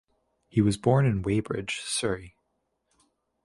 He was born in Weybridge, Surrey.